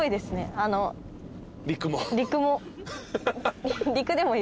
陸も？